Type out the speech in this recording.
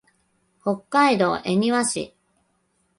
北海道恵庭市